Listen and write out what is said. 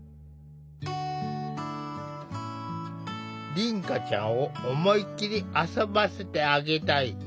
凛花ちゃんを思いっきり遊ばせてあげたい。